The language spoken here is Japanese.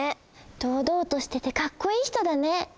どうどうとしててかっこいい人だね。